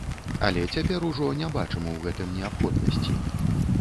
Але цяпер ужо не бачым ў гэтым неабходнасці.